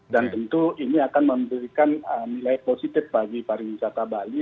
dan tentu ini akan memberikan nilai positif bagi para wisata bali